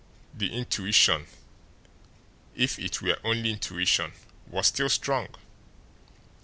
The intuition, if it were only intuition, was still strong.